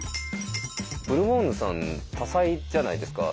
ブルボンヌさん多才じゃないですか。